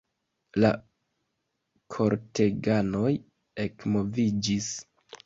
La korteganoj ekmoviĝis.